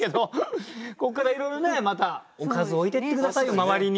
ここからいろいろねまたおかずを置いていって下さいよ周りに。